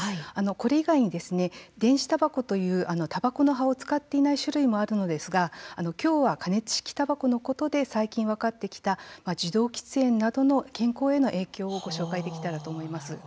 これ以外に、電子たばこというたばこの葉を使っていない種類もあるのですがきょうは加熱式たばこのことで最近分かってきた受動喫煙などの健康への影響をご紹介できたらと思います。